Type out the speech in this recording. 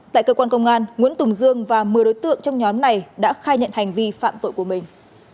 tại cơ quan công an nguyễn tùng dương và một mươi đối tượng trong nhóm này đã khai nhận hành vi phạm tội của mình